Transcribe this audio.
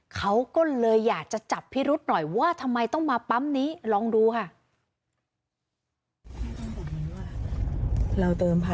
เขาก็เลยอยากจะจับพิรุษหน่อยว่าทำไมต้องมาปั๊มนี้ลองดูค่ะ